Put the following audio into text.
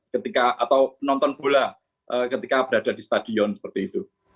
ketika atau menonton bola ketika berada di stadion seperti itu